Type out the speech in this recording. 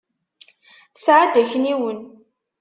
Tesεa-d akniwen.